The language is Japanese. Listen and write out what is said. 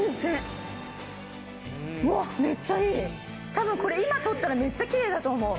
多分これ今撮ったらめっちゃきれいだと思う。